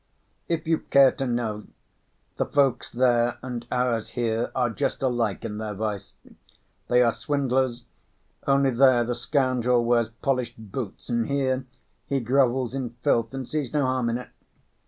"If you care to know, the folks there and ours here are just alike in their vice. They are swindlers, only there the scoundrel wears polished boots and here he grovels in filth and sees no harm in it.